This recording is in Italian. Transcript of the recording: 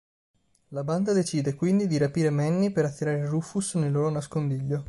La banda decide, quindi, di rapire Manny per attirare Rufus nel loro nascondiglio.